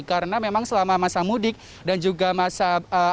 karena memang selama masa mudik dan juga masa berakhir